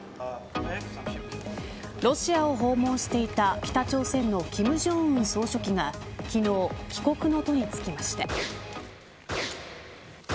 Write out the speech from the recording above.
ロシアを訪問していた北朝鮮の金正恩総書記が昨日、帰国の途につきました。